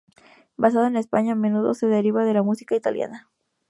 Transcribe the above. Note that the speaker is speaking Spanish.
Basado en España, a menudo se deriva de la música latina.